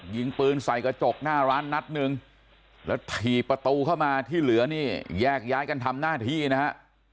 ยิงปืนใส่กระจกหน้าร้านนัดหนึ่งแล้วถี่ประตูเข้ามาที่เหลือนี่แยกย้ายกันทำหน้าที่นะฮะ